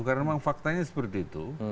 karena memang faktanya seperti itu